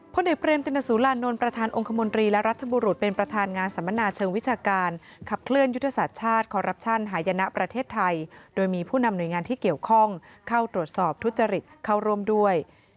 เด็กเรมตินสุรานนท์ประธานองค์คมนตรีและรัฐบุรุษเป็นประธานงานสัมมนาเชิงวิชาการขับเคลื่อนยุทธศาสตร์ชาติคอรัปชั่นหายนะประเทศไทยโดยมีผู้นำหน่วยงานที่เกี่ยวข้องเข้าตรวจสอบทุจริตเข้าร่วมด้วย